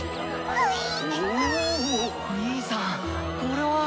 兄さんこれは。